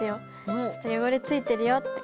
ちょっとよごれついてるよって。